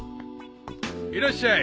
いらっしゃい。